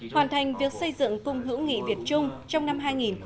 hoàn thành việc xây dựng cung hữu nghị việt trung trong năm hai nghìn một mươi bảy